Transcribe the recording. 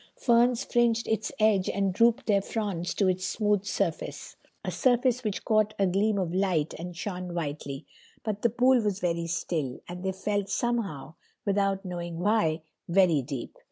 Ferns fringed its edge and drooped their fronds to its smooth surface—a surface which caught a gleam of light, and shone whitely; but the pool was very still, and they felt somehow, without knowing why, very deep.